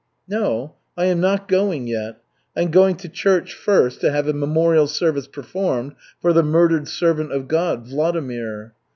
"No, I am not going yet. I'm going to church first to have a memorial service performed for the murdered servant of God, Vladimir."